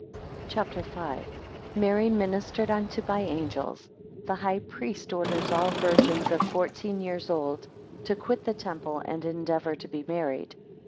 CHAPTER V. 2 Mary ministered unto by angels. 4 The high priest orders all virgins of fourteen years old to quit the temple and endeavour to be married.